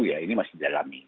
ya ini masih di alami